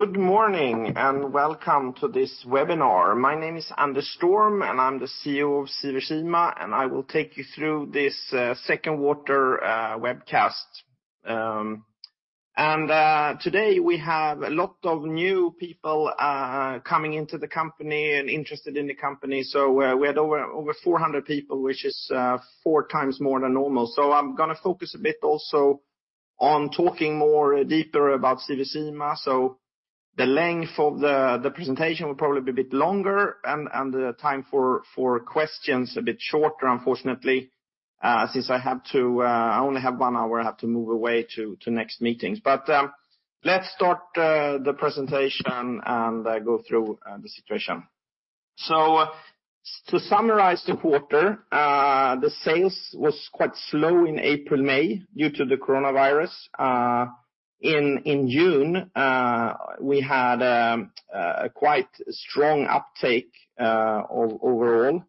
Good morning and welcome to this webinar. My name is Anders Storm, and I'm the CEO of Sivers Semiconductors, and I will take you through this Q2 webcast, and today we have a lot of new people coming into the company and interested in the company. We had over 400 people, which is four times more than normal. I'm going to focus a bit also on talking more deeper about Sivers Semiconductors. The length of the presentation will probably be a bit longer, and the time for questions a bit shorter, unfortunately, since I have to. I only have one hour. I have to move away to next meetings. Let's start the presentation and go through the situation. To summarize the quarter, the sales was quite slow in April, May due to the coronavirus. In June, we had quite strong uptake overall,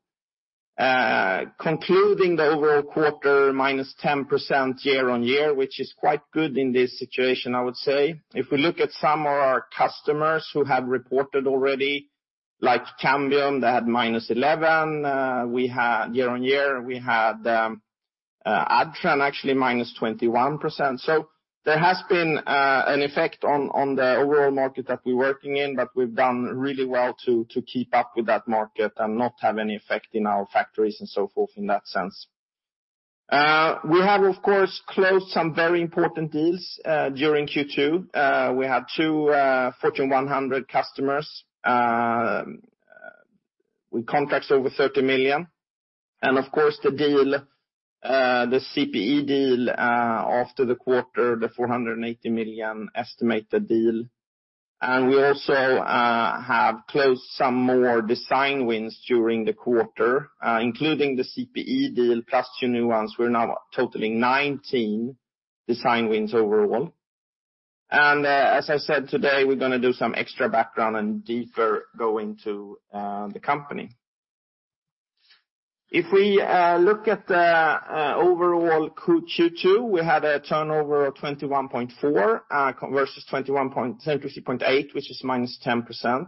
concluding the overall quarter -10% year-on-year, which is quite good in this situation, I would say. If we look at some of our customers who have reported already, like Cambium, they had -11%. We had year-on-year Adtran actually -21%. So there has been an effect on the overall market that we're working in, but we've done really well to keep up with that market and not have any effect in our factories and so forth in that sense. We have, of course, closed some very important deals during Q2. We had two Fortune 100 customers with contracts over 30 million. The deal, the CPE deal after the quarter, the 480 million estimated deal. We also have closed some more design wins during the quarter, including the CPE deal plus new ones. We're now totally 19 design wins overall. As I said today, we're going to do some extra background and deeper go into the company. If we look at overall Q2, we had a turnover of 21.4 versus 21.738, which is -10%.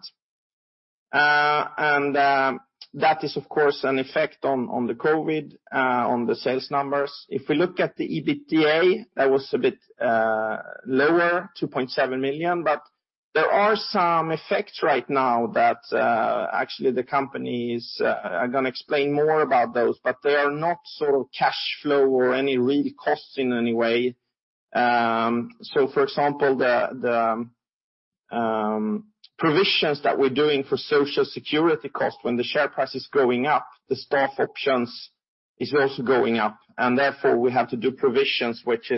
That is, of course, an effect on, on the COVID, on the sales numbers. If we look at the EBITDA, that was a bit lower, 2.7 million. But there are some effects right now that actually the company is. I'm going to explain more about those, but they are not sort of cash flow or any real costs in any way. For example, the provisions that we're doing for social security costs when the share price is going up, the staff options is also going up. And therefore we have to do provisions, which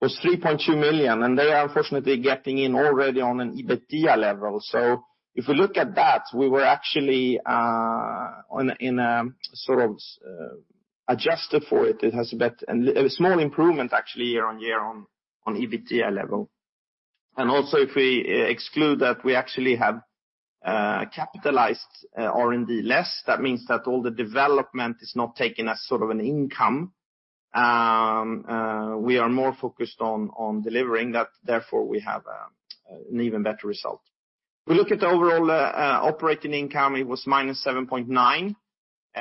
was 3.2 million, and they are unfortunately getting in already on an EBITDA level. So if we look at that, we were actually in a sort of adjusted for it. It has a bit of a small improvement actually year-on-year on EBITDA level. And also if we exclude that we actually have capitalized R&D less, that means that all the development is not taken as sort of an income. We are more focused on delivering that. Therefore we have an even better result. We look at the overall operating income, it was -7.9 million,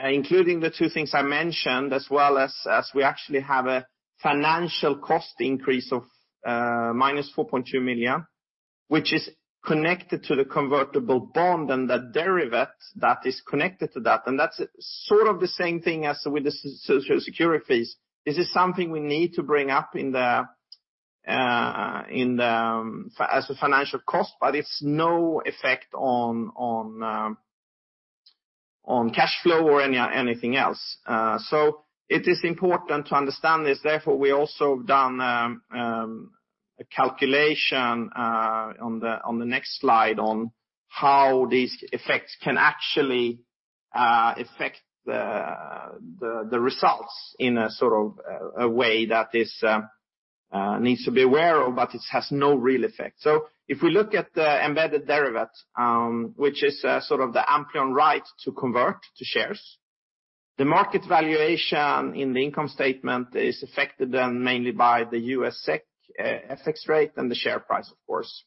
including the two things I mentioned, as well as we actually have a financial cost increase of -4.2 million, which is connected to the convertible bond and that derivative that is connected to that. And that's sort of the same thing as with the social security fees. This is something we need to bring up in the as a financial cost, but it's no effect on cash flow or anything else. So it is important to understand this. Therefore we also have done a calculation on the next slide on how these effects can actually affect the results in a sort of a way that needs to be aware of, but it has no real effect. So if we look at the embedded derivative, which is sort of the Ampleon right to convert to shares, the market valuation in the income statement is affected then mainly by the USD/SEK FX rate and the share price, of course.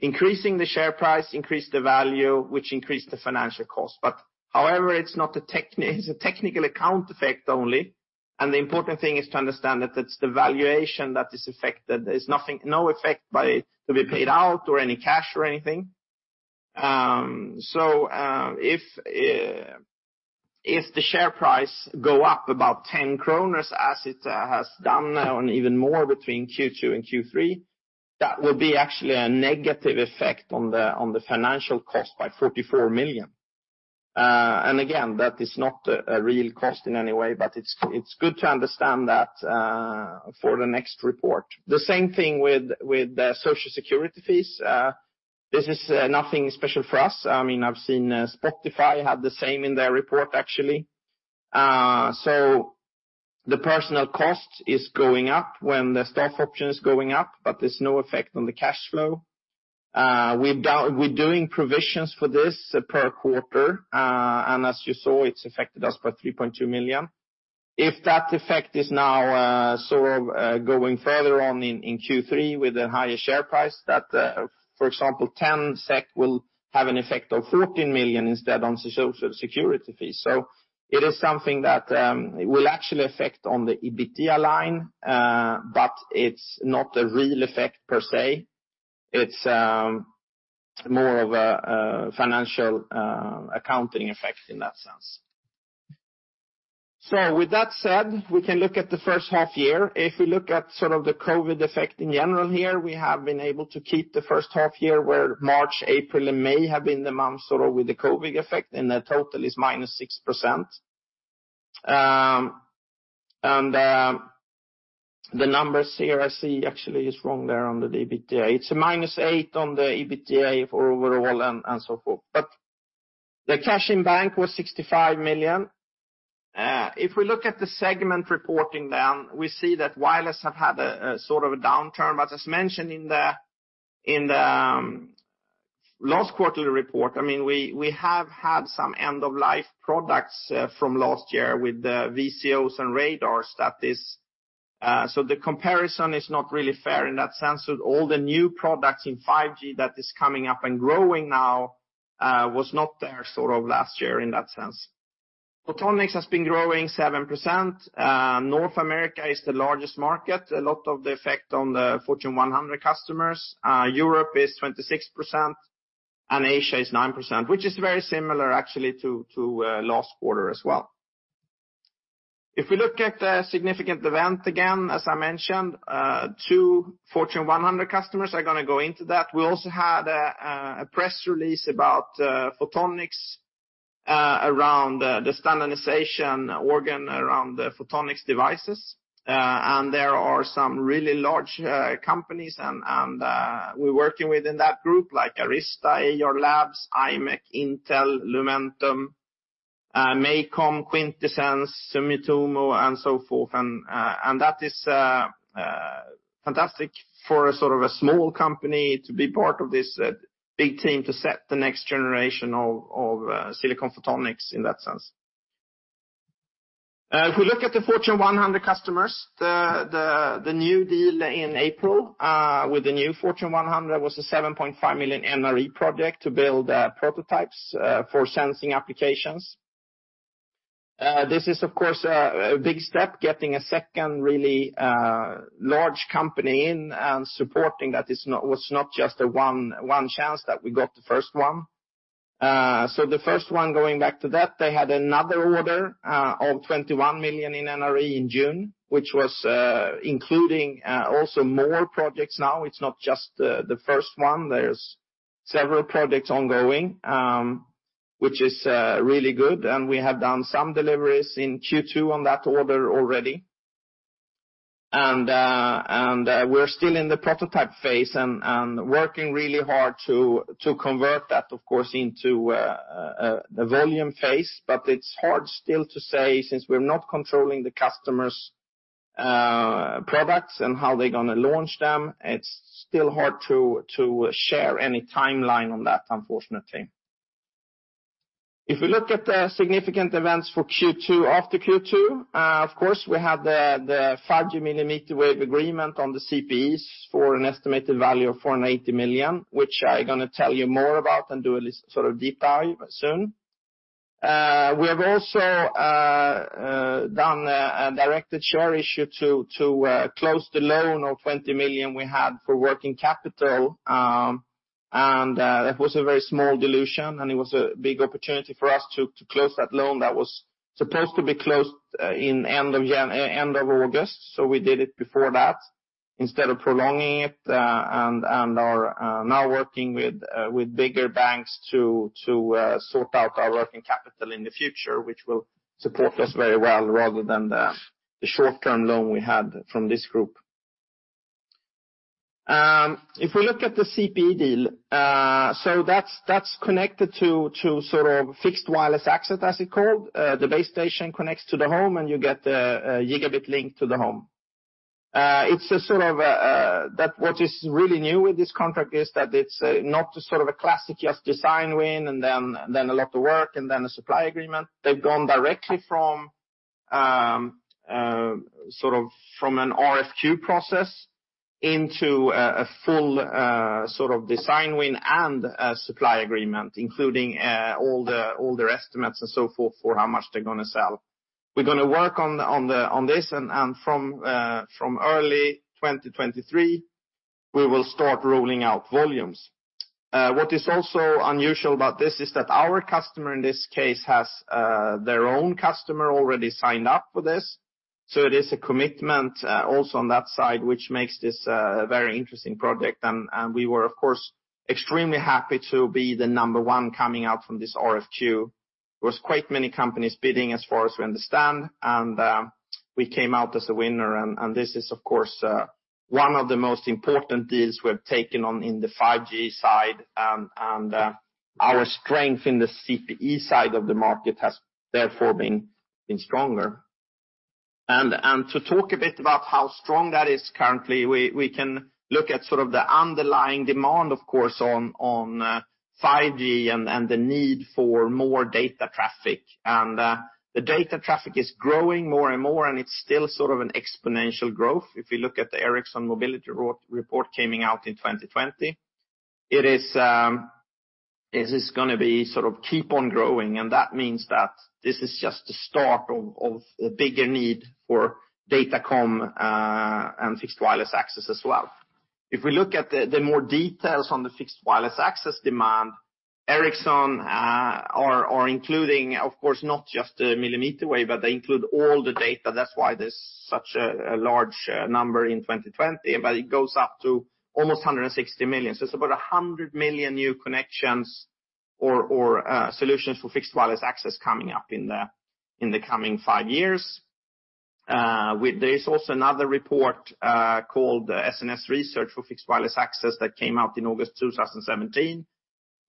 Increasing the share price increased the value, which increased the financial cost. But however, it's not a technique, it's a technical account effect only. And the important thing is to understand that that's the valuation that is affected. There's nothing, no effect by to be paid out or any cash or anything. So, if the share price go up about 10 kronor as it has done or even more between Q2 and Q3, that will be actually a negative effect on the, on the financial cost by 44 million . And again, that is not a real cost in any way, but it's good to understand that, for the next report. The same thing with the social security fees. This is nothing special for us. I mean, I've seen Spotify had the same in their report actually. So the personal cost is going up when the staff option is going up, but there's no effect on the cash flow. We've done, we're doing provisions for this per quarter. As you saw, it's affected us by 3.2 million. If that effect is now, sort of, going further on in, in Q3 with a higher share price, that, for example, 10 SEK will have an effect of 14 million instead on social security fees. It is something that will actually affect on the EBITDA line, but it's not a real effect per se. It's more of a financial, accounting effect in that sense. With that said, we can look at the first half year. If we look at sort of the COVID effect in general here, we have been able to keep the first half year where March, April, and May have been the months sort of with the COVID effect and the total is -6%. And the numbers here I see actually is wrong there on the EBITDA. It's a -8 on the EBITDA for overall and so forth. But the cash in bank was 65 million. If we look at the segment reporting then we see that wireless have had a sort of downturn. But as mentioned in the last quarterly report, I mean, we have had some end-of-life products from last year with the VCOs and radars that is, so the comparison is not really fair in that sense. So all the new products in 5G that is coming up and growing now was not there sort of last year in that sense. Photonics has been growing 7%. North America is the largest market, a lot of the effect on the Fortune 100 customers. Europe is 26% and Asia is 9%, which is very similar actually to last quarter as well. If we look at a significant event again, as I mentioned, two Fortune 100 customers are going to go into that. We also had a press release about Photonics, around the standardization organization around the Photonics devices. And there are some really large companies, and we're working within that group like Arista, Ayar Labs, IMEC, Intel, Lumentum, MACOM, Quintessent, Sumitomo, and so forth. That is fantastic for a sort of a small company to be part of this big team to set the next generation of silicon photonics in that sense. If we look at the Fortune 100 customers, the new deal in April with the new Fortune 100 was a 7.5 million NRE project to build prototypes for sensing applications. This is of course a big step getting a second really large company in and supporting that. It was not just a one chance that we got the first one, so the first one going back to that, they had another order of 21 million in NRE in June, which was including also more projects now. It's not just the first one. There's several projects ongoing, which is really good. And we have done some deliveries in Q2 on that order already. And we're still in the prototype phase and working really hard to convert that of course into the volume phase. But it's hard still to say since we're not controlling the customer's products and how they're going to launch them. It's still hard to share any timeline on that unfortunately. If we look at the significant events for Q2 after Q2, of course we had the 5G mmWave agreement on the CPEs for an estimated value of 480 million, which I'm going to tell you more about and do a sort of deep dive soon. We have also done a directed share issue to close the loan of 20 million we had for working capital. That was a very small dilution and it was a big opportunity for us to close that loan that was supposed to be closed in end of August. We did it before that instead of prolonging it. Now we are working with bigger banks to sort out our working capital in the future, which will support us very well rather than the short-term loan we had from this group. If we look at the CPE deal, so that's connected to sort of fixed wireless access as it's called. The base station connects to the home and you get a gigabit link to the home. It's sort of that what is really new with this contract is that it's not sort of a classic just design win and then a lot of work and then a supply agreement. They've gone directly from sort of from an RFQ process into a full sort of design win and a supply agreement, including all the estimates and so forth for how much they're going to sell. We're going to work on this and from early 2023, we will start rolling out volumes. What is also unusual about this is that our customer in this case has their own customer already signed up for this, so it is a commitment also on that side, which makes this a very interesting project, and we were of course extremely happy to be the number one coming out from this RFQ. There was quite many companies bidding as far as we understand, and we came out as a winner, and this is of course one of the most important deals we've taken on in the 5G side, and our strength in the CPE side of the market has therefore been stronger, and to talk a bit about how strong that is currently, we can look at sort of the underlying demand of course on 5G and the need for more data traffic. The data traffic is growing more and more and it's still sort of an exponential growth. If we look at the Ericsson Mobility Report that came out in 2020, it is going to sort of keep on growing. That means that this is just the start of the bigger need for datacom, and fixed wireless access as well. If we look at the more details on the fixed wireless access demand, Ericsson are including of course not just the millimeter wave, but they include all the data. That's why there's such a large number in 2020. But it goes up to almost 160 million. So it's about 100 million new connections or solutions for fixed wireless access coming up in the coming five years. With, there is also another report called the SNS Research for Fixed Wireless Access that came out in August 2017.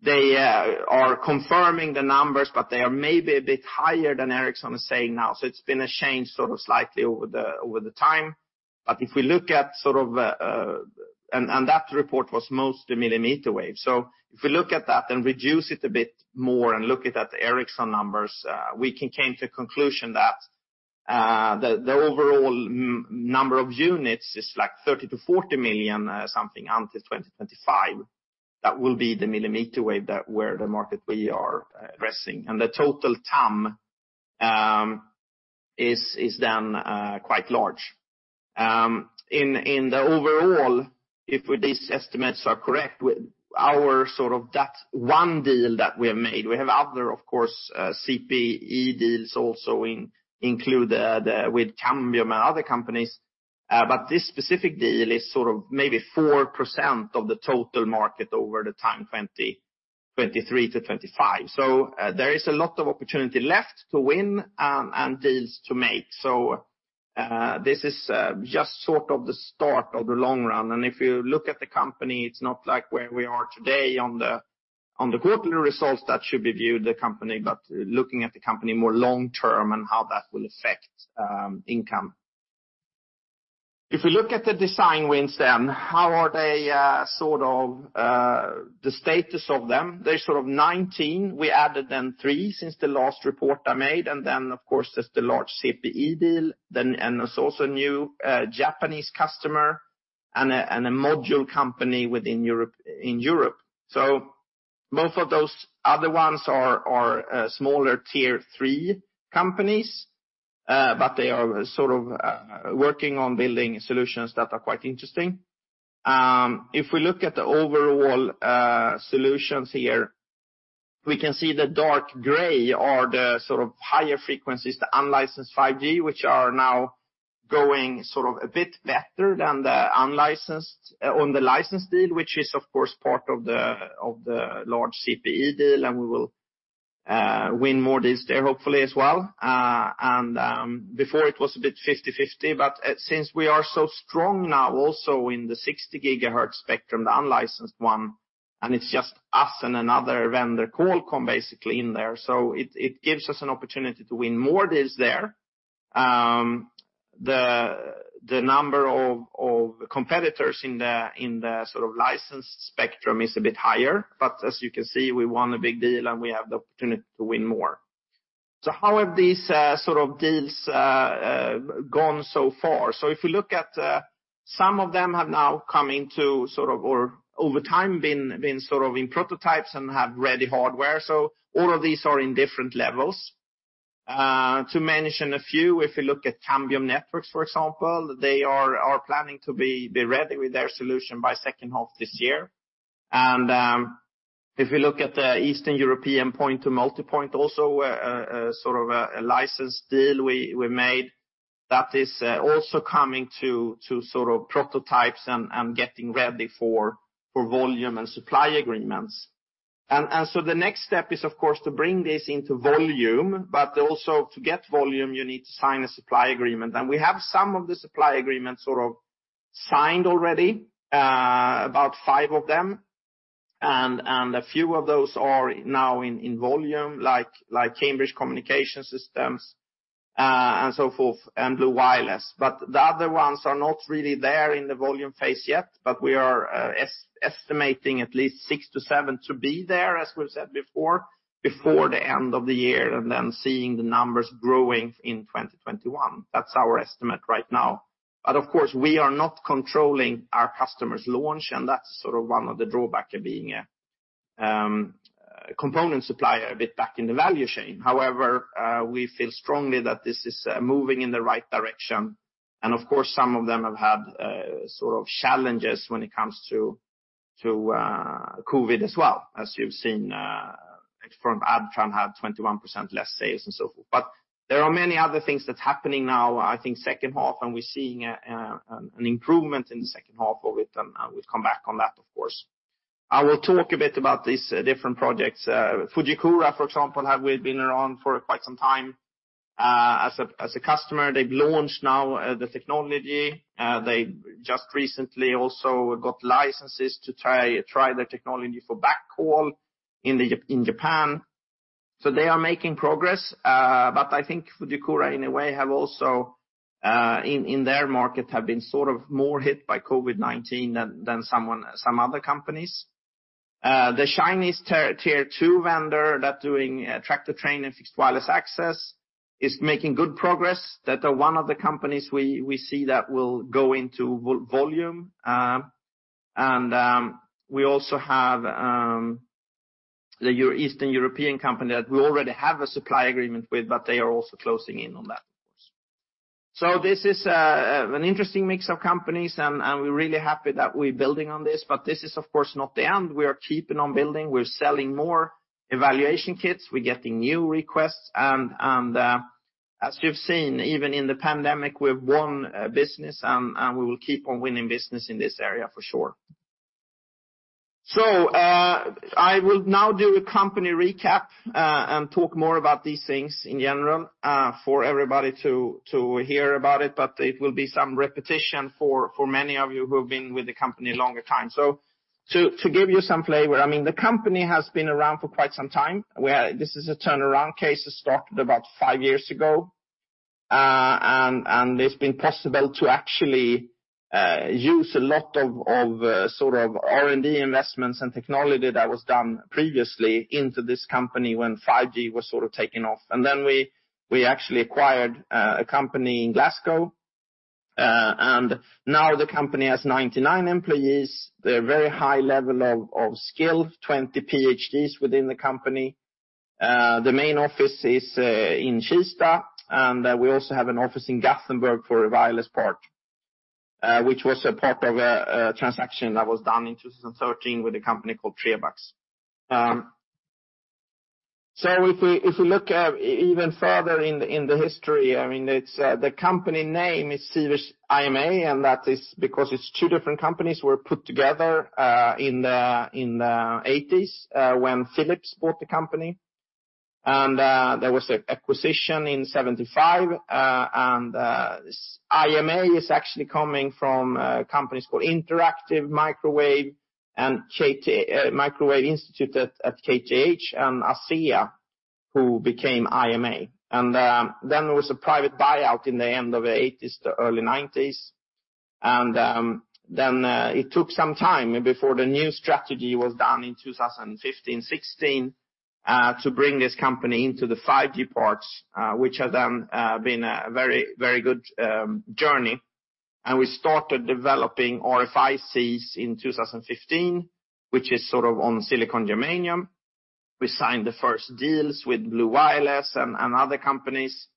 They are confirming the numbers, but they are maybe a bit higher than Ericsson is saying now. So it's been a change sort of slightly over the time. But if we look at sort of and that report was mostly millimeter wave. So if we look at that and reduce it a bit more and look at that Ericsson numbers, we can come to a conclusion that the overall number of units is like 30-40 million something until 2025. That will be the millimeter wave that where the market we are addressing. The total TAM is then quite large. In the overall, if these estimates are correct, with our sort of that one deal that we have made, we have other, of course, CPE deals also including the with Cambium and other companies, but this specific deal is sort of maybe 4% of the total market over the time 2023 to 2025, so there is a lot of opportunity left to win and deals to make, so this is just sort of the start of the long run. And if you look at the company, it's not like where we are today on the quarterly results that should be viewed the company, but looking at the company more long term and how that will affect income. If we look at the design wins then, how are they sort of the status of them? There's sort of 19. We added then three since the last report I made. And then of course there's the large CPE deal. Then there's also a new Japanese customer and a module company within Europe, in Europe. So both of those other ones are smaller Tier 3 companies. But they are sort of working on building solutions that are quite interesting. If we look at the overall solutions here, we can see the dark gray are the sort of higher frequencies, the unlicensed 5G, which are now going sort of a bit better than the licensed on the licensed deal, which is of course part of the large CPE deal. And we will win more deals there hopefully as well. And before it was a bit 50/50, but since we are so strong now also in the 60 GHz spectrum, the unlicensed one, and it's just us and another vendor, Qualcomm basically in there. So it gives us an opportunity to win more deals there. The number of competitors in the sort of licensed spectrum is a bit higher. But as you can see, we won a big deal and we have the opportunity to win more. So how have these sort of deals gone so far? So if we look at, some of them have now come into sort of, or over time been in prototypes and have ready hardware. So all of these are in different levels. to mention a few, if we look at Cambium Networks for example, they are planning to be ready with their solution by second half this year. And if we look at the Eastern European Point-to-Multipoint also, sort of a license deal we made, that is also coming to sort of prototypes and getting ready for volume and supply agreements. And so the next step is of course to bring this into volume, but also to get volume you need to sign a supply agreement. And we have some of the supply agreements sort of signed already, about five of them. And a few of those are now in volume like Cambridge Communication Systems, and so forth and Blu Wireless. But the other ones are not really there in the volume phase yet, but we are estimating at least six to seven to be there as we've said before, before the end of the year and then seeing the numbers growing in 2021. That's our estimate right now. But of course we are not controlling our customer's launch and that's sort of one of the drawbacks of being a component supplier a bit back in the value chain. However, we feel strongly that this is moving in the right direction. And of course some of them have had sort of challenges when it comes to COVID as well as you've seen from Adtran had 21% less sales and so forth. But there are many other things that's happening now. I think second half and we're seeing an improvement in the second half of it and we'll come back on that of course. I will talk a bit about these different projects. Fujikura for example, we've been around for quite some time, as a customer. They've launched now the technology. They just recently also got licenses to try their technology for backhaul in Japan. So they are making progress. But I think Fujikura in a way has also, in their market, been sort of more hit by COVID-19 than some other companies. The Chinese Tier 2 vendor that's doing track-to-train and Fixed Wireless Access is making good progress. That is one of the companies we see that will go into volume. And we also have the Eastern European company that we already have a supply agreement with, but they are also closing in on that of course. So this is an interesting mix of companies and we're really happy that we're building on this. But this is of course not the end. We are keeping on building. We're selling more evaluation kits. We're getting new requests. And as you've seen even in the pandemic we've won business and we will keep on winning business in this area for sure. So I will now do a company recap and talk more about these things in general for everybody to hear about it. But it will be some repetition for many of you who have been with the company a longer time. So to give you some flavor, I mean the company has been around for quite some time. We have this is a turnaround case. It started about five years ago. And it's been possible to actually use a lot of sort of R&D investments and technology that was done previously into this company when 5G was sort of taken off. And then we actually acquired a company in Glasgow. And now the company has 99 employees. They're very high level of skill, 20 PhDs within the company. The main office is in Kista. And we also have an office in Gothenburg for a wireless part, which was a part of a transaction that was done in 2013 with a company called Trebax. So if we look even further in the history, I mean it's the company name is Sivers IMA. That is because it's two different companies were put together in the 1980s, when Philips bought the company. There was an acquisition in 1975. IMA is actually coming from a company called Interactive Microwave and KTH Microwave Institute at KTH and ASEA who became IMA. Then there was a private buyout in the end of the 1980s, the early 1990s. Then it took some time before the new strategy was done in 2015, 2016, to bring this company into the 5G parts, which have then been a very, very good journey. We started developing RFICs in 2015, which is sort of on silicon germanium. We signed the first deals with Blu Wireless and other companies.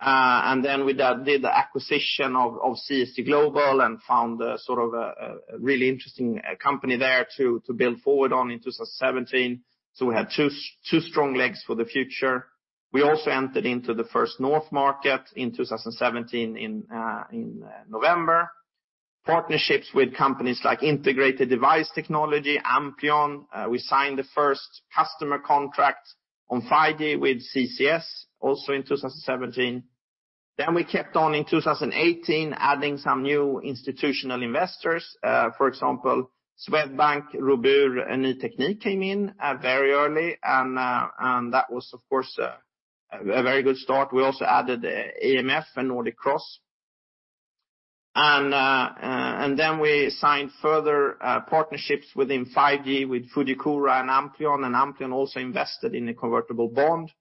And then we did the acquisition of CST Global and found a sort of a really interesting company there to build forward on in 2017. So we had two strong legs for the future. We also entered into the first Nordic market in 2017 in November. Partnerships with companies like Integrated Device Technology, Ampleon. We signed the first customer contract on 5G with CCS also in 2017. Then we kept on in 2018 adding some new institutional investors. For example, Swedbank Robur and Ny Teknik came in very early. And that was of course a very good start. We also added AMF and Nordic Cross. And then we signed further partnerships within 5G with Fujikura and Ampleon. And Ampleon also invested in a convertible bond.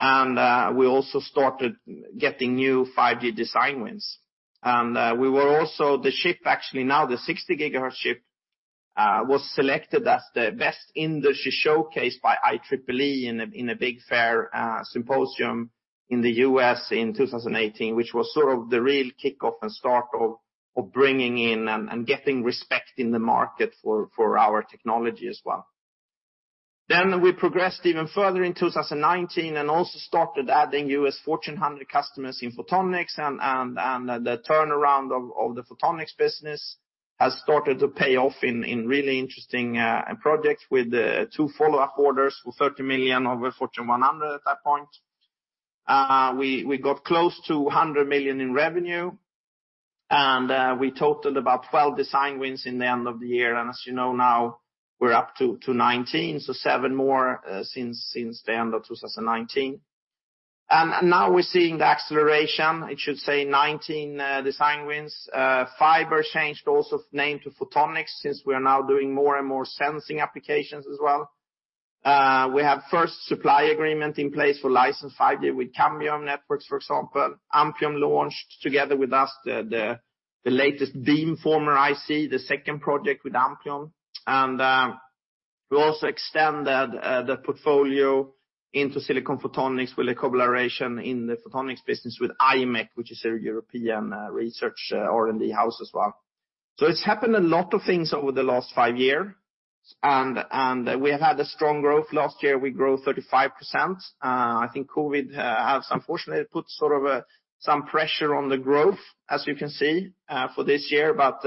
And we also started getting new 5G design wins. We were also the ship. Actually now the 60 GHz ship was selected as the best industry showcase by IEEE in a big fair, symposium in the U.S. in 2018, which was sort of the real kickoff and start of bringing in and getting respect in the market for our technology as well. Then we progressed even further in 2019 and also started adding US Fortune 100 customers in photonics. And the turnaround of the photonics business has started to pay off in really interesting projects with two follow-up orders for 30 million over Fortune 100 at that point. We got close to 100 million in revenue. We totaled about 12 design wins in the end of the year. And as you know now, we're up to 19. So seven more since the end of 2019. And now we're seeing the acceleration. It should say 19 design wins. Fiber changed also name to photonics since we are now doing more and more sensing applications as well. We have first supply agreement in place for license 5G with Cambium Networks for example. Ampleon launched together with us the latest beamformer IC, the second project with Ampleon. And we also extended the portfolio into silicon photonics with a collaboration in the photonics business with IMEC, which is a European research R&D house as well. So it's happened a lot of things over the last five years. And we have had a strong growth last year. We grew 35%. I think COVID has unfortunately put sort of some pressure on the growth as you can see for this year. But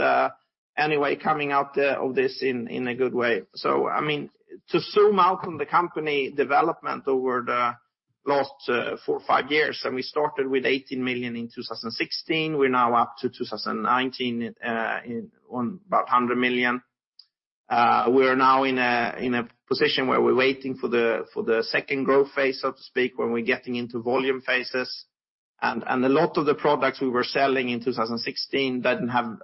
anyway, coming out of this in a good way. So I mean to zoom out on the company development over the last four, five years. And we started with 18 million in 2016. We're now up to 2019 in on about 100 million. We are now in a position where we're waiting for the second growth phase so to speak when we're getting into volume phases. And a lot of the products we were selling in 2016 didn't have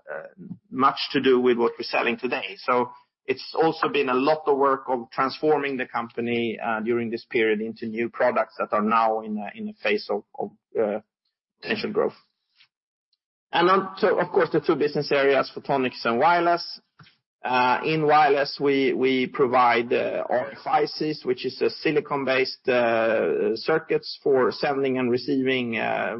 much to do with what we're selling today. So it's also been a lot of work of transforming the company during this period into new products that are now in a phase of potential growth. And onto of course the two business areas photonics and wireless. In wireless we provide RFICs, which is a silicon-based circuits for sending and receiving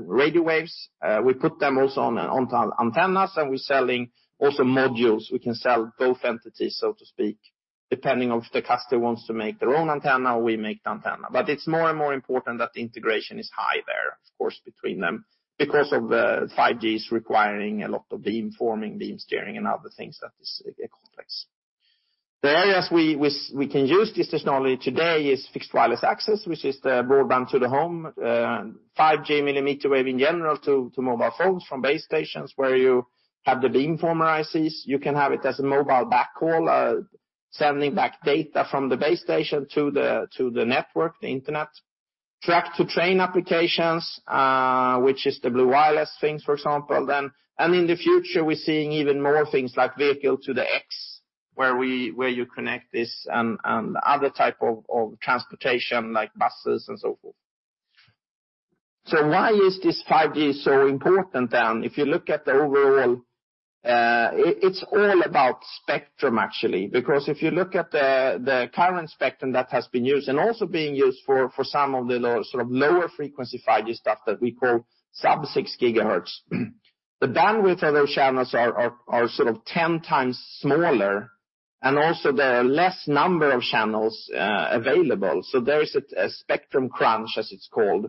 radio waves. We put them also onto antennas and we're selling also modules. We can sell both entities so to speak depending on if the customer wants to make their own antenna or we make the antenna. But it's more and more important that the integration is high there of course between them because of the 5Gs requiring a lot of beamforming, beam steering and other things that is a complex. The areas we can use this technology today is fixed wireless access, which is the broadband to the home, 5G mmWave in general to mobile phones from base stations where you have the beamformer ICs. You can have it as a mobile backhaul, sending back data from the base station to the network, the internet. Track to train applications, which is the Blu Wireless things for example. In the future we're seeing even more things like Vehicle-to-X where you connect this and other type of transportation like buses and so forth. Why is this 5G so important then? If you look at the overall, it's all about spectrum actually. Because if you look at the current spectrum that has been used and also being used for some of the low sort of lower frequency 5G stuff that we call Sub-6 GHz, the bandwidth of those channels are sort of 10x smaller. And also there are less number of channels available. So there is a spectrum crunch as it's called.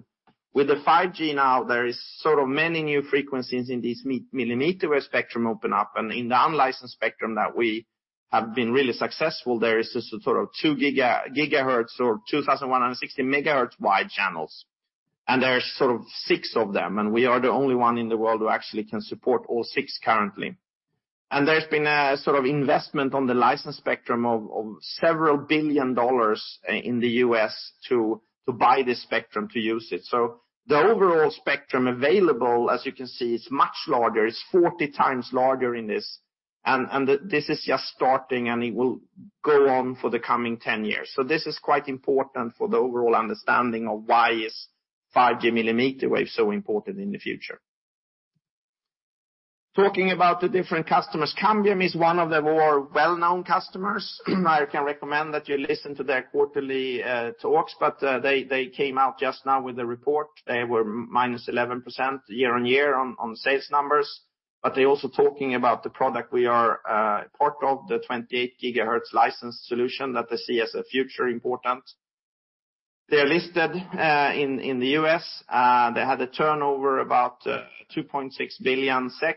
With the 5G now there is sort of many new frequencies in these millimeter wave spectrum open up. In the unlicensed spectrum that we have been really successful, there is this sort of two GHz or 2160 MHz wide channels. There is sort of six of them. We are the only one in the world who actually can support all six currently. There has been a sort of investment on the license spectrum of several billion dollars in the U.S. to buy this spectrum to use it. The overall spectrum available as you can see is much larger. It is 40 times larger in this. This is just starting and it will go on for the coming 10 years. This is quite important for the overall understanding of why is 5G mmWave so important in the future. Talking about the different customers, Cambium is one of the more well-known customers. I can recommend that you listen to their quarterly calls. They came out just now with a report. They were -11% year-on-year on sales numbers. But they're also talking about the product we are part of the 28 GHz license solution that they see as a future important. They're listed in the U.S. They had a turnover about 2.6 billion SEK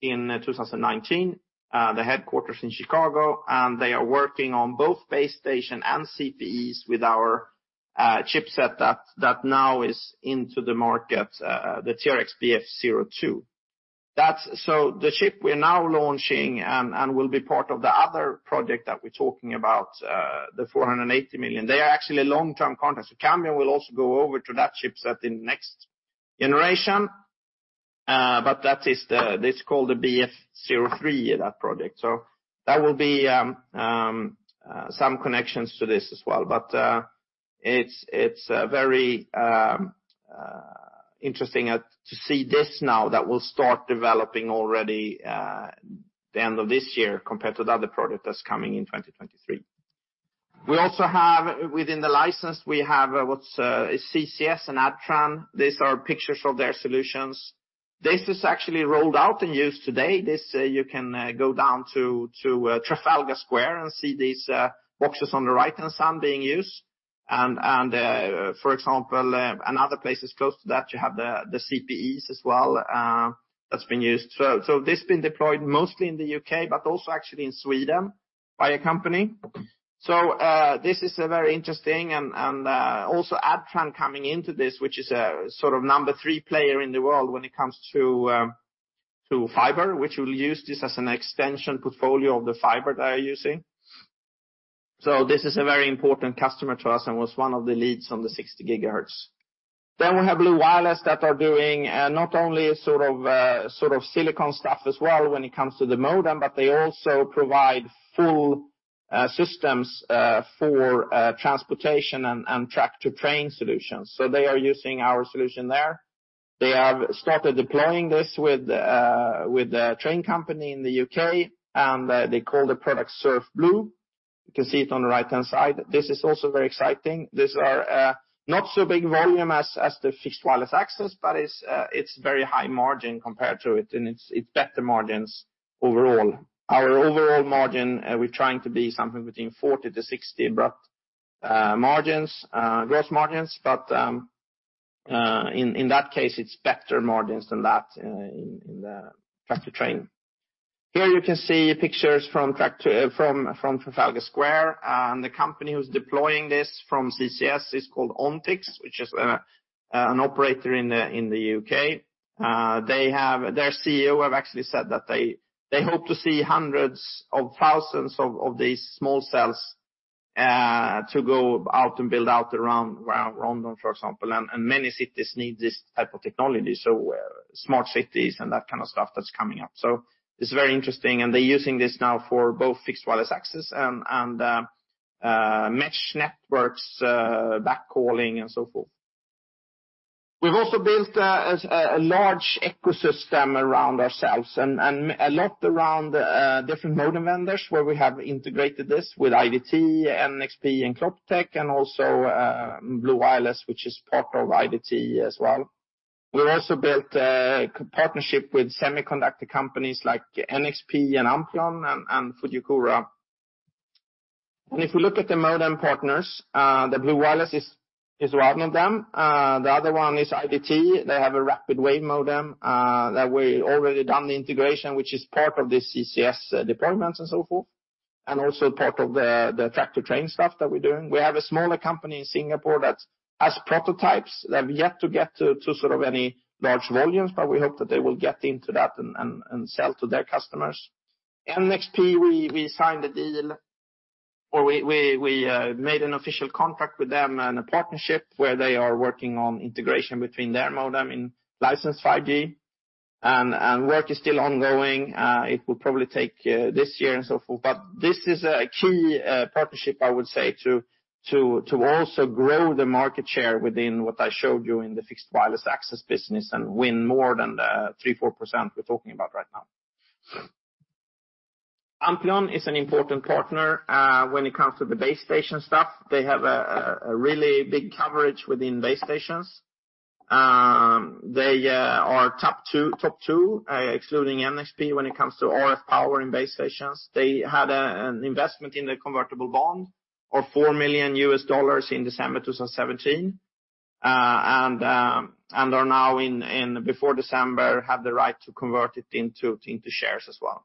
in 2019. The headquarters in Chicago. They are working on both base station and CPEs with our chipset that now is into the market, the TRXBF02. That's the chip we're now launching and will be part of the other project that we're talking about, the 480 million. They are actually long-term contracts. Cambium will also go over to that chipset in the next generation. That is the project. It's called the BF03. That will be some connections to this as well. But it's a very interesting to see this now that will start developing already the end of this year compared to the other product that's coming in 2023. We also have within the license we have what's CCS and Adtran. These are pictures of their solutions. This is actually rolled out and used today. This you can go down to Trafalgar Square and see these boxes on the right-hand side being used. And for example and other places close to that you have the CPEs as well that's been used. So this has been deployed mostly in the U.K., but also actually in Sweden by a company. This is a very interesting and also Adtran coming into this, which is a sort of number three player in the world when it comes to fiber, which will use this as an extension portfolio of the fiber they're using. This is a very important customer to us and was one of the leads on the 60 GHz. Then we have Blue Wireless that are doing not only sort of silicon stuff as well when it comes to the modem, but they also provide full systems for transportation and track to train solutions. So they are using our solution there. They have started deploying this with a train company in the U.K.. They call the product SurfBlue. You can see it on the right-hand side. This is also very exciting. These are not so big volume as the fixed wireless access, but it's very high margin compared to it, and it's better margins overall. Our overall margin, we're trying to be something between 40%-60%, gross margins. But in that case, it's better margins than that in the track-to-train. Here you can see pictures from the track-to-train from Trafalgar Square, and the company who's deploying this from CCS is called Ontix, which is an operator in the U.K.. Their CEO have actually said that they hope to see hundreds of thousands of these small cells to go out and build out around London for example, and many cities need this type of technology, so smart cities and that kind of stuff that's coming up, so it's very interesting. And they're using this now for both fixed wireless access and mesh networks, backhauling and so forth. We've also built a large ecosystem around ourselves and a lot around different modem vendors where we have integrated this with IDT, NXP, and C-Tech, and also Blu Wireless, which is part of IDT as well. We've also built a partnership with semiconductor companies like NXP and Ampleon and Fujikura. And if we look at the modem partners, Blu Wireless is one of them. The other one is IDT. They have a RapidWave modem that we've already done the integration, which is part of the CCS deployments and so forth. And also part of the track-to-train stuff that we're doing. We have a smaller company in Singapore that has prototypes that have yet to get to sort of any large volumes. But we hope that they will get into that and sell to their customers. NXP, we signed a deal or we made an official contract with them and a partnership where they are working on integration between their modem and unlicensed 5G. And work is still ongoing. It will probably take this year and so forth. But this is a key partnership I would say to also grow the market share within what I showed you in the fixed wireless access business and win more than the 3-4% we're talking about right now. Ampleon is an important partner when it comes to the base station stuff. They have a really big coverage within base stations. They are top two, excluding NXP when it comes to RF power in base stations. They had an investment in the convertible bond of $4 million in December 2017 and are now, before December, have the right to convert it into shares as well.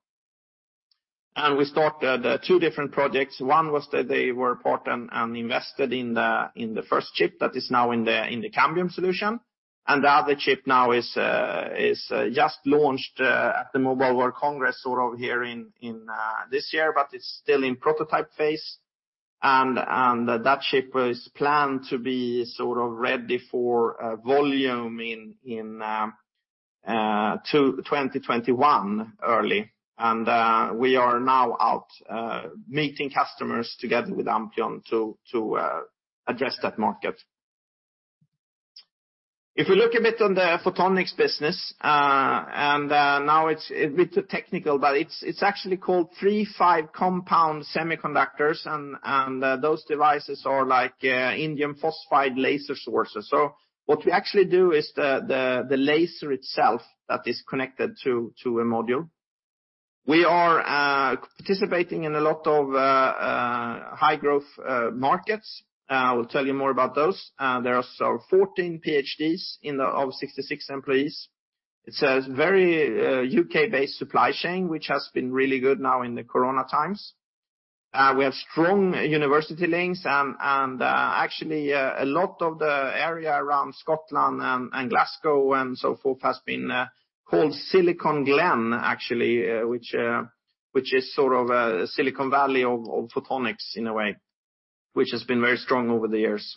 And we started two different projects. One was that they were part and invested in the first chip that is now in the Cambium solution. And the other chip now is just launched at the Mobile World Congress sort of here in this year, but it's still in prototype phase. And that chip was planned to be sort of ready for volume in early 2021. And we are now out meeting customers together with Ampleon to address that market. If we look a bit on the photonics business, now it's a bit technical, but it's actually called III-V compound semiconductors. Those devices are like indium phosphide laser sources. So what we actually do is the laser itself that is connected to a module. We are participating in a lot of high growth markets. I will tell you more about those. There are 14 PhDs out of 66 employees. It's a very U.K.-based supply chain, which has been really good now in the corona times. We have strong university links and actually, a lot of the area around Scotland and Glasgow and so forth has been called Silicon Glen actually, which is sort of a Silicon Valley of photonics in a way, which has been very strong over the years.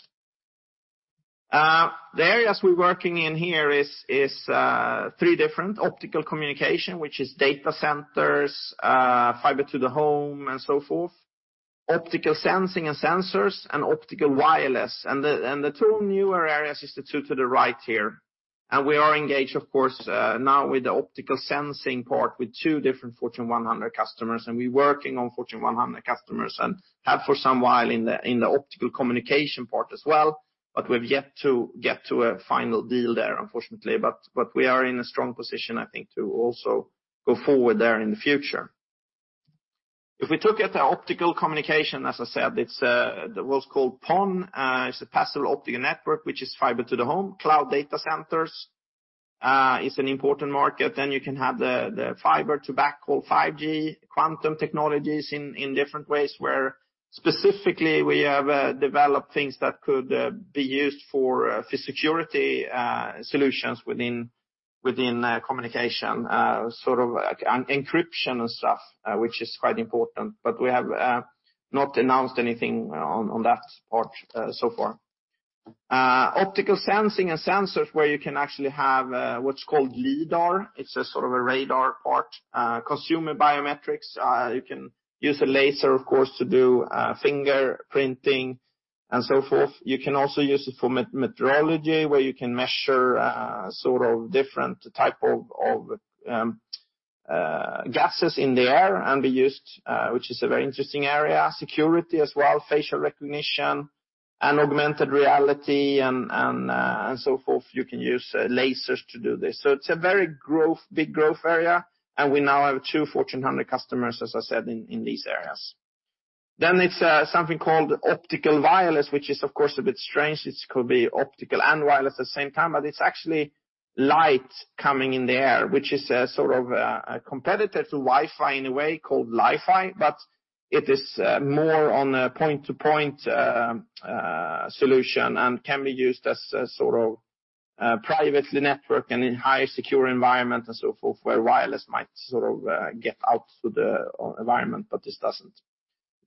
The areas we're working in here is three different optical communication, which is data centers, fiber to the home and so forth, optical sensing and sensors and optical wireless. And the two newer areas is the two to the right here. And we are engaged of course, now with the optical sensing part with two different Fortune 100 customers. And we're working on Fortune 100 customers and have for some while in the optical communication part as well. But we've yet to get to a final deal there unfortunately. But we are in a strong position I think to also go forward there in the future. If we took it to optical communication, as I said, it was called PON. It's a passive optical network, which is fiber to the home, cloud data centers. It's an important market. Then you can have the fiber to backhaul 5G quantum technologies in different ways where specifically we have developed things that could be used for security solutions within communication, sort of encryption and stuff, which is quite important. But we have not announced anything on that part so far. Optical sensing and sensors where you can actually have what's called LIDAR. It's a sort of a radar part. Consumer biometrics, you can use a laser of course to do fingerprinting and so forth. You can also use it for meteorology where you can measure sort of different type of gases in the air and be used, which is a very interesting area. Security as well, facial recognition and augmented reality and so forth. You can use lasers to do this. So it's a very big growth area. We now have two Fortune 100 customers, as I said, in these areas. It is something called optical wireless, which is of course a bit strange. It could be optical and wireless at the same time, but it is actually light coming in the air, which is a sort of a competitor to Wi-Fi in a way called Li-Fi. It is more on a point-to-point solution and can be used as a sort of private network and in higher secure environment and so forth where wireless might sort of get out to the environment, but this does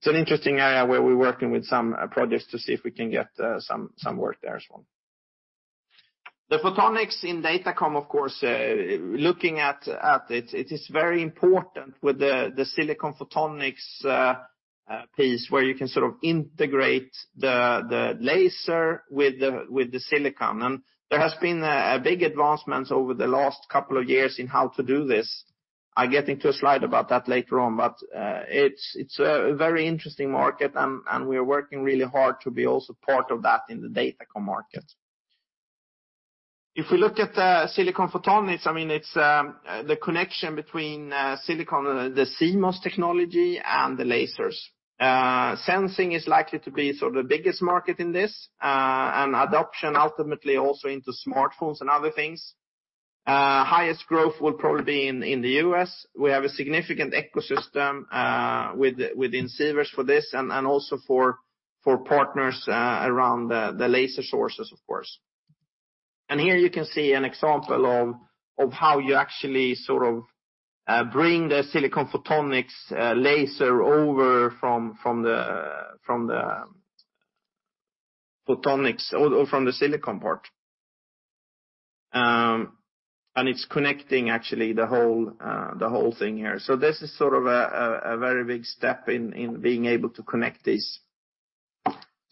not. It is an interesting area where we are working with some projects to see if we can get some work there as well. The photonics in datacom of course, looking at it, it is very important with the silicon photonics piece where you can sort of integrate the laser with the silicon. There has been a big advancement over the last couple of years in how to do this. I'll get into a slide about that later on. But it's a very interesting market and we are working really hard to be also part of that in the datacom market. If we look at the silicon photonics, I mean, it's the connection between silicon and the CMOS technology and the lasers. Sensing is likely to be sort of the biggest market in this, and adoption ultimately also into smartphones and other things. Highest growth will probably be in the U.S.. We have a significant ecosystem within Sivers for this and also for partners around the laser sources of course. And here you can see an example of how you actually sort of bring the silicon photonics laser over from the photonics or from the silicon part. And it's connecting actually the whole thing here. So this is sort of a very big step in being able to connect these.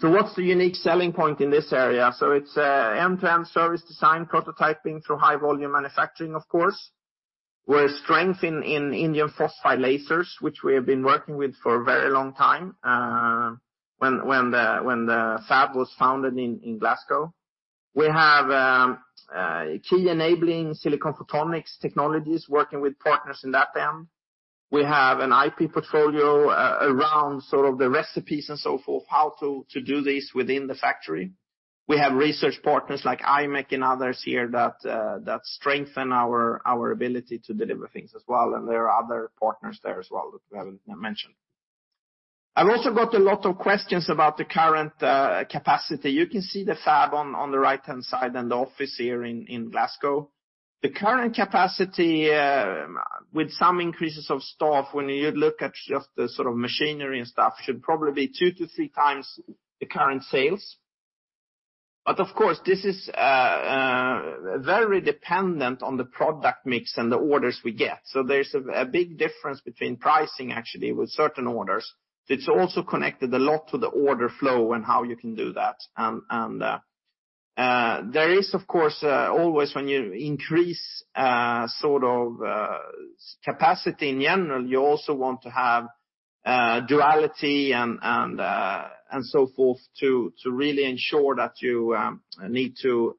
So what's the unique selling point in this area? So it's an end-to-end service design prototyping through high volume manufacturing of course, where strength in indium phosphide lasers, which we have been working with for a very long time, when the Fab was founded in Glasgow. We have key enabling silicon photonics technologies working with partners in that end. We have an IP portfolio around sort of the recipes and so forth, how to do this within the factory. We have research partners like IMEC and others here that strengthen our ability to deliver things as well. And there are other partners there as well that we haven't mentioned. I've also got a lot of questions about the current capacity. You can see the Fab on the right-hand side and the office here in Glasgow. The current capacity, with some increases of staff when you look at just the sort of machinery and stuff, should probably be two to three times the current sales. But of course, this is very dependent on the product mix and the orders we get. So there's a big difference between pricing actually with certain orders. It's also connected a lot to the order flow and how you can do that. There is of course always when you increase sort of capacity in general, you also want to have redundancy and so forth to really ensure that you need to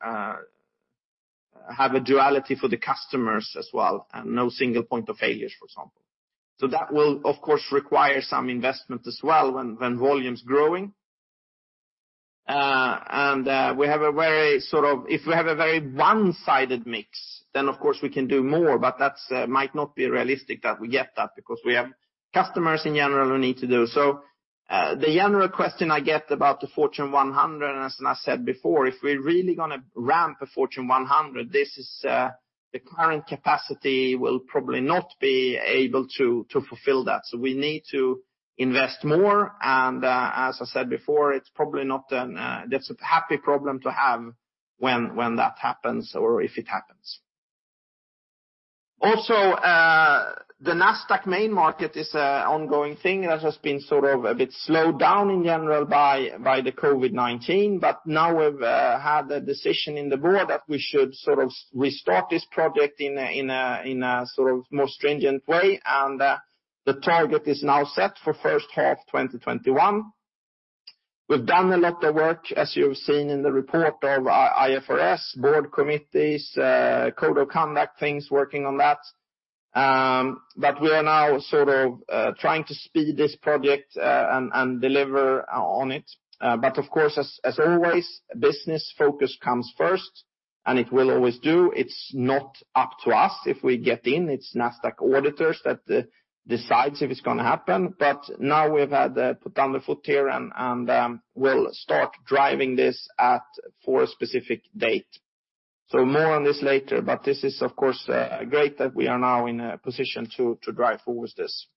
have a redundancy for the customers as well and no single point of failures for example. That will of course require some investment as well when volume's growing. We have a very sort of if we have a very one-sided mix, then of course we can do more, but that might not be realistic that we get that because we have customers in general who need to do so. The general question I get about the Fortune 100, as I said before, if we're really gonna ramp a Fortune 100, this is, the current capacity will probably not be able to fulfill that. So we need to invest more. And, as I said before, it's probably not an, that's a happy problem to have when that happens or if it happens. Also, the NASDAQ main market is an ongoing thing that has been sort of a bit slowed down in general by the COVID-19. But now we've had a decision in the board that we should sort of restart this project in a sort of more stringent way. And, the target is now set for first half 2021. We've done a lot of work as you've seen in the report of IFRS board committees, code of conduct things working on that. But we are now sort of trying to speed this project and deliver on it. But of course, as always, business focus comes first and it will always do. It's not up to us if we get in. It's NASDAQ auditors that decides if it's gonna happen. But now we've put down the foot here and we'll start driving this for a specific date. So more on this later. But this is of course great that we are now in a position to drive forward this.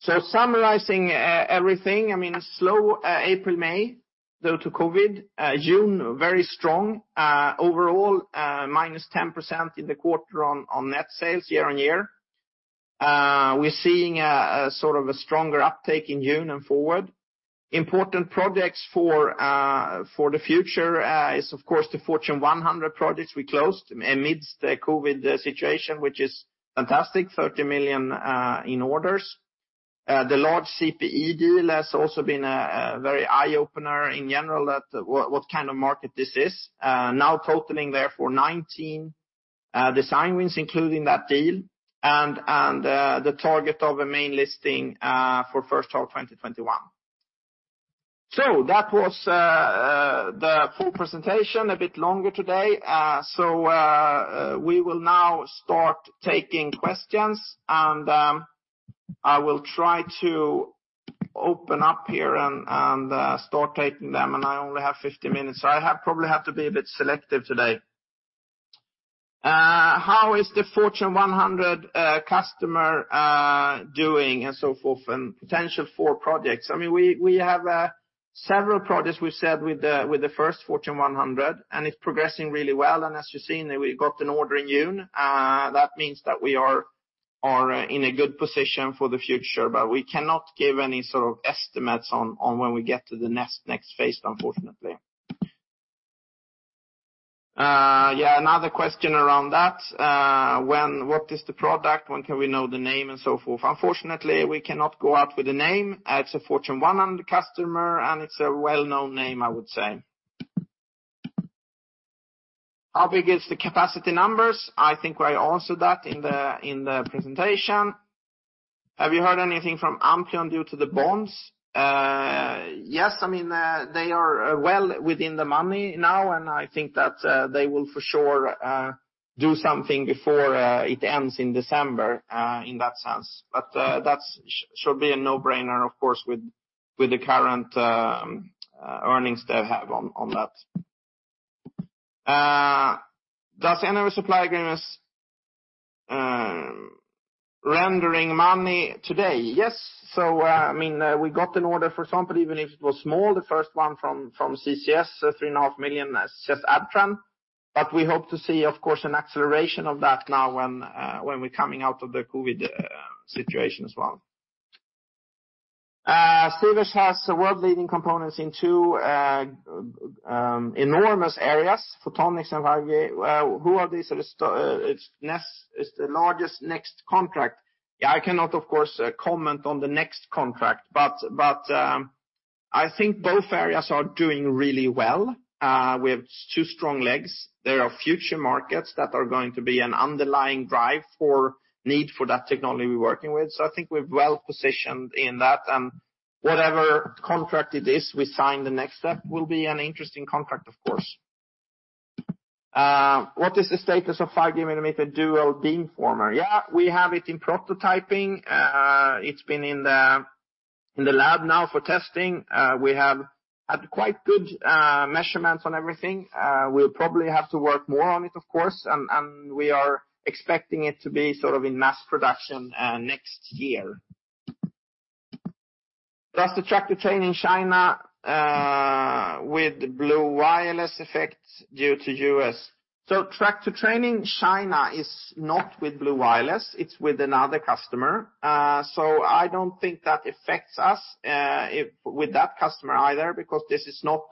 So summarizing everything, I mean, slow April, May, due to COVID, June very strong, overall -10% in the quarter on net sales year-on-year. We're seeing a sort of stronger uptake in June and forward. Important projects for the future is of course the Fortune 100 projects we closed amidst the COVID situation, which is fantastic, 30 million in orders. The large CPE deal has also been a very eye opener in general that what kind of market this is. Now totaling therefore 19 design wins including that deal and the target of a main listing for first half 2021. So that was the full presentation a bit longer today. So we will now start taking questions and I will try to open up here and start taking them and I only have 50 minutes. So I have probably had to be a bit selective today. How is the Fortune 100 customer doing and so forth and potential for projects? I mean, we have several projects we've said with the first Fortune 100 and it's progressing really well. And as you've seen, we got an order in June that means that we are in a good position for the future, but we cannot give any sort of estimates on when we get to the next phase unfortunately. Yeah, another question around that. What is the product? When can we know the name and so forth? Unfortunately, we cannot go out with a name. It's a Fortune 100 customer and it's a well-known name I would say. How big is the capacity numbers? I think I answered that in the presentation. Have you heard anything from Ampleon due to the bonds? Yes, I mean, they are well within the money now and I think that, they will for sure, do something before, it ends in December, in that sense. But, that should be a no-brainer of course with the current earnings they have on that. Do any supply agreements render money today? Yes. So, I mean, we got an order for something even if it was small, the first one from CCS, 3.5 million CCS Adtran. But we hope to see of course an acceleration of that now when we're coming out of the COVID situation as well. Sivers has world-leading components in two enormous areas, photonics and 5G. Who are these? It's the, it's NXP, it's the largest NXP contract. Yeah, I cannot of course comment on the NXP contract, but I think both areas are doing really well. We have two strong legs. There are future markets that are going to be an underlying drive for need for that technology we're working with. So I think we're well positioned in that. And whatever contract it is we sign, the next step will be an interesting contract of course. What is the status of 5G mm dual beamformer? Yeah, we have it in prototyping. It's been in the lab now for testing. We have had quite good measurements on everything. We'll probably have to work more on it of course. And we are expecting it to be sort of in mass production next year. Does the track-to-train in China with Blu Wireless affected due to U.S.? So track-to-train China is not with Blu Wireless. It's with another customer. So I don't think that affects us with that customer either because this is not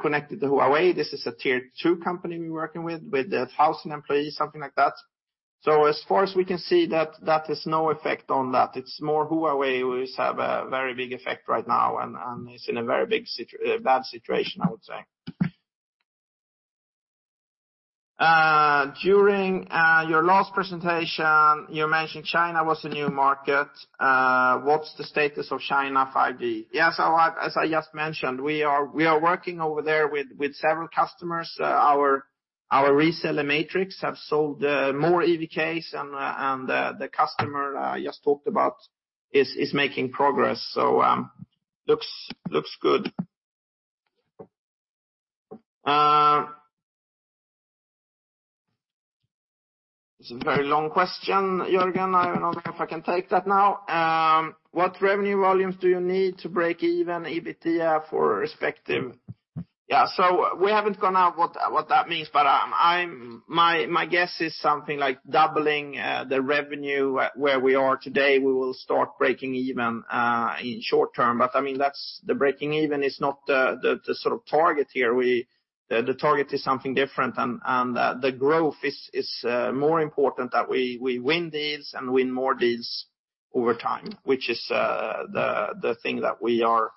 connected to Huawei. This is a Tier 2 company we're working with with a thousand employees something like that. So as far as we can see that has no effect on that. It's more Huawei who has a very big effect right now and it's in a very big situation bad situation I would say. During your last presentation you mentioned China was a new market. What's the status of China 5G? Yeah so as I just mentioned we are working over there with several customers. Our reseller Matrix have sold more EVKs and the customer I just talked about is making progress. So looks good. It's a very long question Jürgen. I don't know if I can take that now. What revenue volumes do you need to break even EBITDA for respective? Yeah, so we haven't gone out what that means, but I'm my guess is something like doubling the revenue where we are today. We will start breaking even in short term. But I mean, that's the breaking even is not the sort of target here. We the target is something different and the growth is more important that we win deals and win more deals over time, which is the thing that we are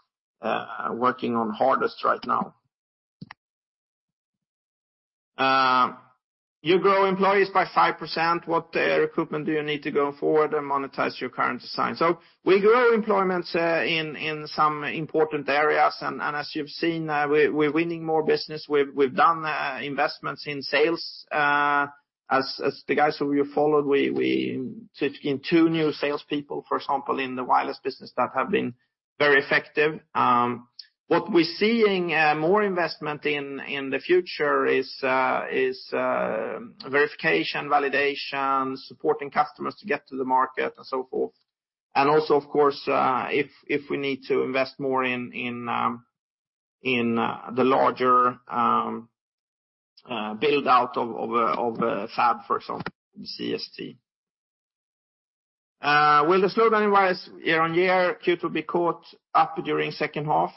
working on hardest right now. You grow employees by 5%. What recruitment do you need to go forward and monetize your current design? So we grow employment in some important areas. And as you've seen, we're winning more business. We've done investments in sales. As the guys who you followed, we took in two new salespeople, for example, in the wireless business that have been very effective. What we're seeing, more investment in the future is verification, validation, supporting customers to get to the market and so forth. And also of course, if we need to invest more in the larger buildout of Fab for example, the CST. Will the slowdown in wireless year-on-year Q2 be caught up during second half?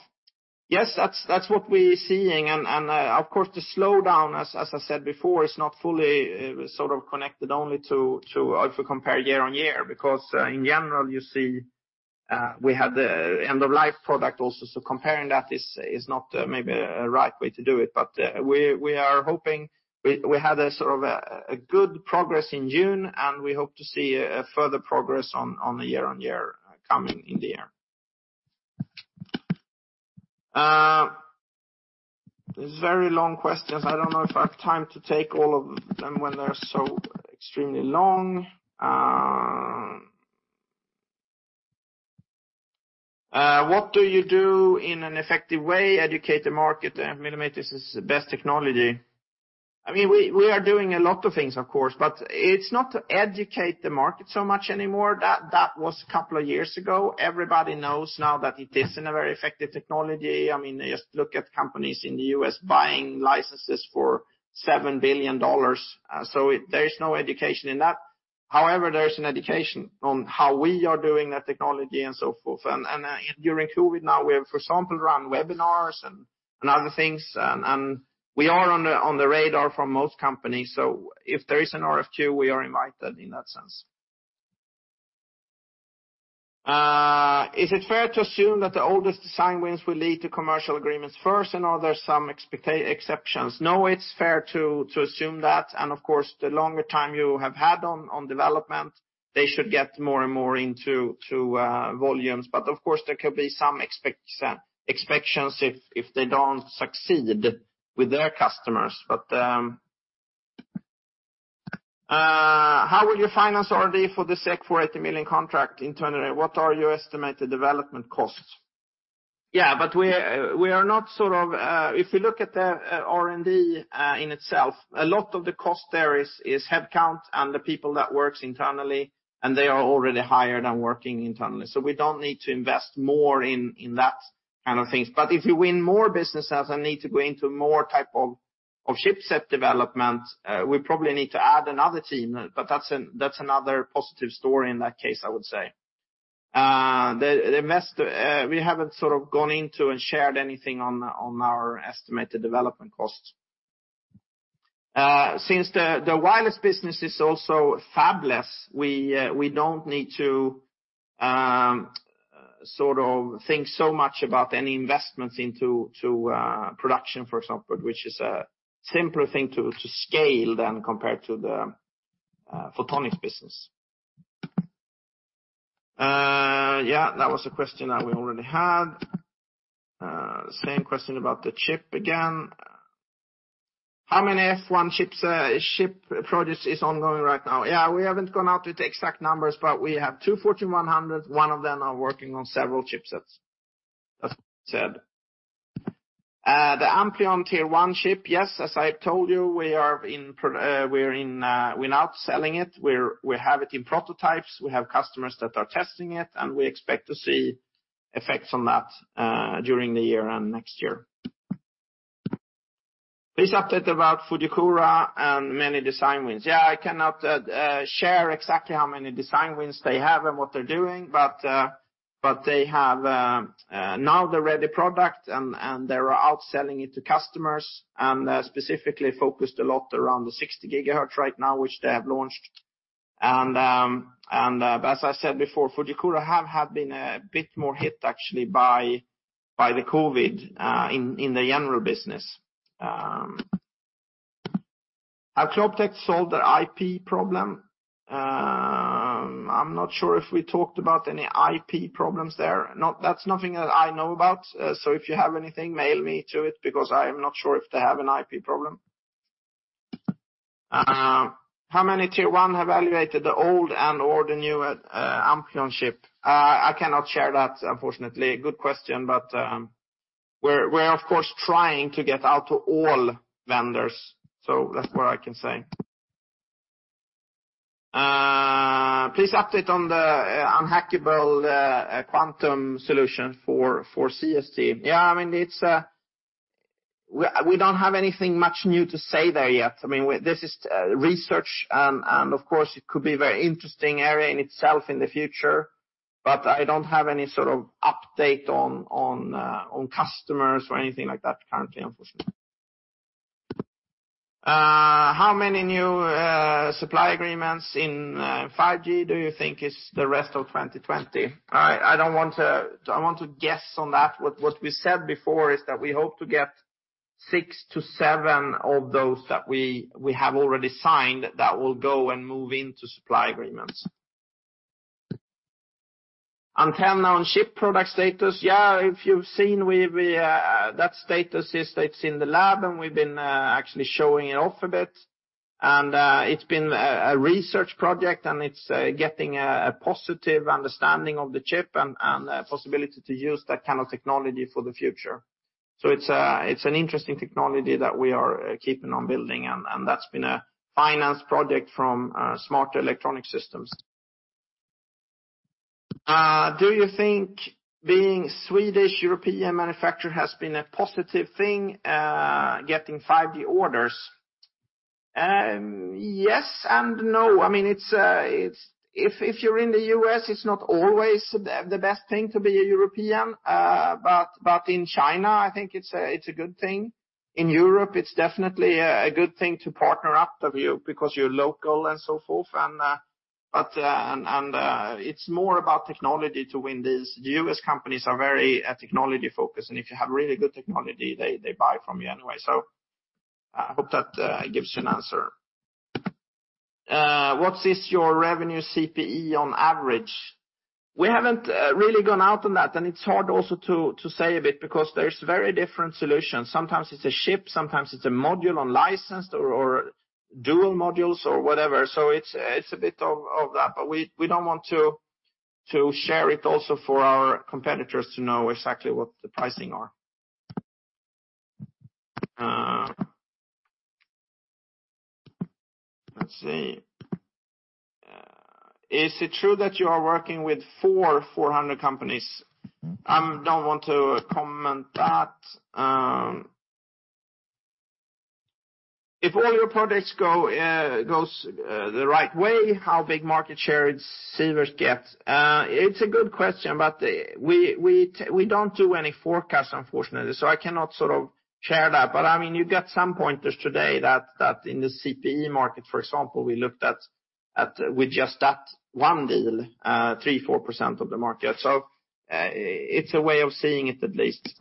Yes, that's what we're seeing. And, of course the slowdown, as I said before, is not fully sort of connected only to if we compare year-on-year because, in general you see, we had the end-of-life product also. So comparing that is not maybe a right way to do it. But we are hoping we had a sort of a good progress in June and we hope to see a further progress on the year-on-year coming in the year. There are very long questions. I don't know if I have time to take all of them when they're so extremely long. What do you do in an effective way? Educate the market and millimeter waves is the best technology. I mean, we are doing a lot of things of course, but it's not to educate the market so much anymore. That was a couple of years ago. Everybody knows now that it isn't a very effective technology. I mean, just look at companies in the U.S. buying licenses for $7 billion. So there's no education in that. However, there's an education on how we are doing that technology and so forth. During COVID now we have, for example, run webinars and other things. We are on the radar from most companies. So if there is an RFQ, we are invited in that sense. Is it fair to assume that the oldest design wins will lead to commercial agreements first and are there some expectation exceptions? No, it's fair to assume that. Of course, the longer time you have had on development, they should get more and more into volumes. But of course, there could be some exceptions if they don't succeed with their customers. But how will you finance R&D for the ASIC for 80 million contract internally? What are your estimated development costs? Yeah, but we are not sort of, if you look at the R&D, in itself, a lot of the cost there is headcount and the people that works internally and they are already hired and working internally. So we don't need to invest more in that kind of things. But if you win more businesses and need to go into more type of chipset development, we probably need to add another team. But that's another positive story in that case, I would say. The investor, we haven't sort of gone into and shared anything on our estimated development costs. Since the wireless business is also fabless, we don't need to sort of think so much about any investments into production, for example, which is a simpler thing to scale than compared to the photonics business. Yeah, that was a question that we already had. Same question about the chip again. How many RF chips, chip projects is ongoing right now? Yeah, we haven't gone out with the exact numbers, but we have two Fortune 100s. One of them are working on several chipsets. That's what we said. The Ampleon Tier 1 chip, yes, as I told you, we are in production. We're now selling it. We have it in prototypes. We have customers that are testing it and we expect to see effects on that during the year and next year. Please update about Fujikura and many design wins. Yeah, I cannot share exactly how many design wins they have and what they're doing, but they have now the ready product and they're outselling it to customers and specifically focused a lot around the 60 GHz right now, which they have launched. And as I said before, Fujikura have been a bit more hit actually by the COVID in the general business. Have Globtel solved the IP problem? I'm not sure if we talked about any IP problems there. That's nothing that I know about. So if you have anything, email it to me because I am not sure if they have an IP problem. How many Tier 1 have evaluated the old and/or the new Ampleon chip? I cannot share that, unfortunately. Good question, but we're of course trying to get out to all vendors. That's what I can say. Please update on the unhackable quantum solution for CST. Yeah, I mean, it's. We don't have anything much new to say there yet. I mean, this is research and of course it could be a very interesting area in itself in the future, but I don't have any sort of update on customers or anything like that currently, unfortunately. How many new supply agreements in 5G do you think for the rest of 2020? I don't want to guess on that. What we said before is that we hope to get six to seven of those that we have already signed that will go and move into supply agreements. Antenna-on-Chip product status. Yeah, if you've seen, we that status is. It's in the lab and we've been actually showing it off a bit. And it's been a research project and it's getting a positive understanding of the chip and possibility to use that kind of technology for the future. So it's an interesting technology that we are keeping on building and that's been a finance project from Smarter Electronic Systems. Do you think being Swedish European manufacturer has been a positive thing, getting 5G orders? Yes and no. I mean, it's if you're in the U.S., it's not always the best thing to be a European. But in China, I think it's a good thing. In Europe, it's definitely a good thing to partner up with you because you're local and so forth. It's more about technology to win these. The US companies are very technology focused. And if you have really good technology, they buy from you anyway. So I hope that gives you an answer. What is your revenue CPE on average? We haven't really gone out on that. And it's hard also to say a bit because there's very different solutions. Sometimes it's a chip, sometimes it's a module on licensed or dual modules or whatever. So it's a bit of that. But we don't want to share it also for our competitors to know exactly what the pricing are. Let's see. Is it true that you are working with Fortune 400 companies? I don't want to comment that. If all your projects go the right way, how big market share receivers get? It's a good question, but we don't do any forecast, unfortunately. So I cannot sort of share that. But I mean, you get some pointers today that in the CPE market, for example, we looked at with just that one deal, 3-4% of the market. So, it's a way of seeing it at least.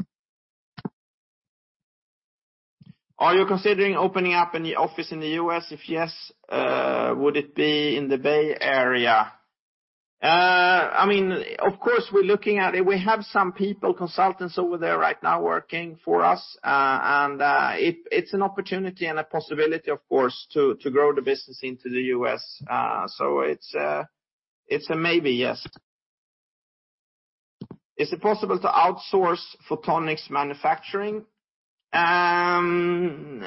Are you considering opening up an office in the U.S.? If yes, would it be in the Bay Area? I mean, of course we're looking at it. We have some people, consultants over there right now working for us. And it, it's an opportunity and a possibility, of course, to grow the business into the U.S.. So it's a maybe, yes. Is it possible to outsource photonics manufacturing? Depends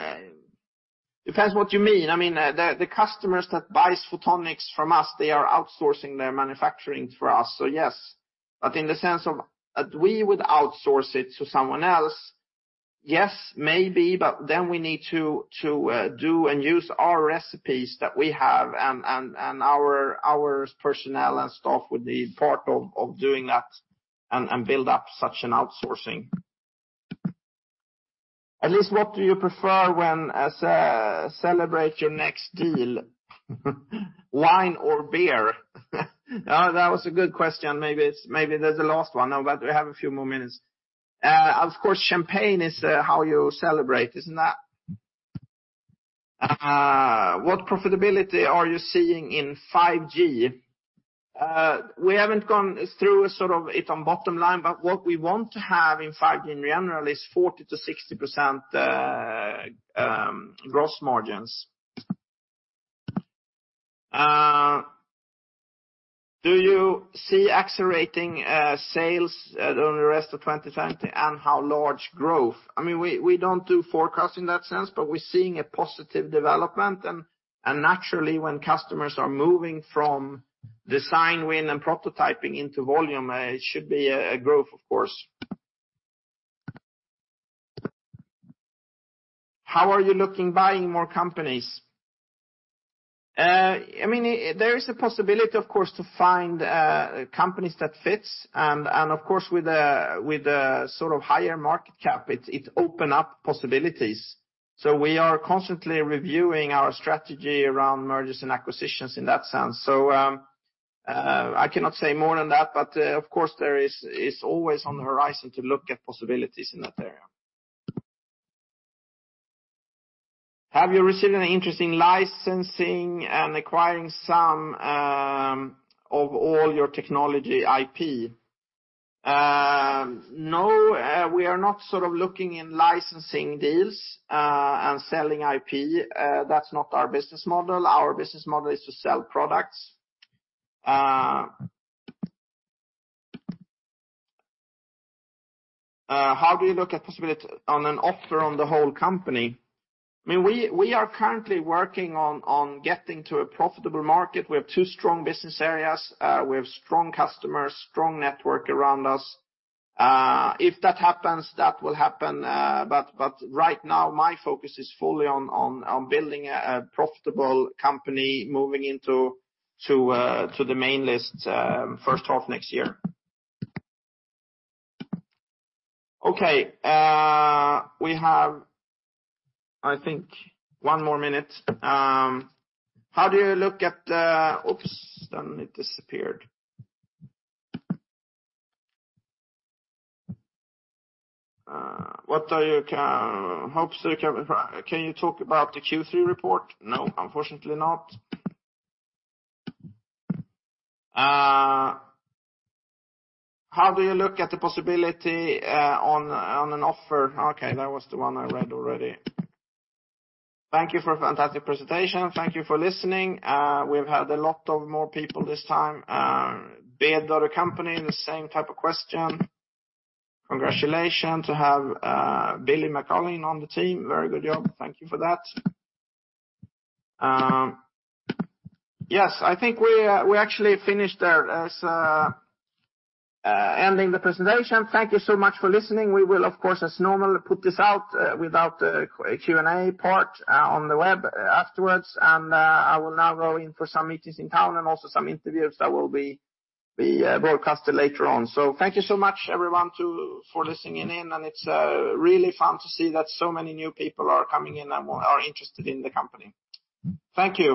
what you mean. I mean, the customers that buy photonics from us, they are outsourcing their manufacturing for us. So yes. But in the sense of that we would outsource it to someone else, yes, maybe. But then we need to do and use our recipes that we have and our personnel and staff would need part of doing that and build up such an outsourcing. At least what do you prefer when, as, celebrate your next deal? Wine or beer? Oh, that was a good question. Maybe it's, maybe there's a last one. No, but we have a few more minutes. Of course, champagne is how you celebrate, isn't that? What profitability are you seeing in 5G? We haven't gone through a sort of it on bottom line, but what we want to have in 5G in general is 40%-60% gross margins. Do you see accelerating sales during the rest of 2020 and how large growth? I mean, we don't do forecast in that sense, but we're seeing a positive development. And naturally when customers are moving from design win and prototyping into volume, it should be a growth, of course. How are you looking buying more companies? I mean, there is a possibility, of course, to find companies that fits. And of course with the sort of higher market cap, it open up possibilities. So we are constantly reviewing our strategy around mergers and acquisitions in that sense. So I cannot say more than that, but of course there is always on the horizon to look at possibilities in that area. Have you received an interest in licensing and acquiring some or all your technology IP? No, we are not sort of looking in licensing deals, and selling IP. That's not our business model. Our business model is to sell products. How do you look at possibility on an offer on the whole company? I mean, we are currently working on getting to a profitable market. We have two strong business areas. We have strong customers, strong network around us. If that happens, that will happen. But right now my focus is fully on building a profitable company moving into the main list, first half next year. Okay. We have, I think, one more minute. How do you look at the... oops, then it disappeared. What are your hopes to come? Can you talk about the Q3 report? No, unfortunately not. How do you look at the possibility on an offer? Okay, that was the one I read already. Thank you for a fantastic presentation. Thank you for listening. We've had a lot more people this time. Be a daughter company in the same type of question. Congratulations to have Bill McCollom on the team. Very good job. Thank you for that. Yes, I think we actually finished there as ending the presentation. Thank you so much for listening. We will, of course, as normal, put this out without the Q&A part on the web afterwards. And I will now go in for some meetings in town and also some interviews that will be broadcasted later on. So thank you so much, everyone, for listening in. And it's really fun to see that so many new people are coming in and are interested in the company. Thank you.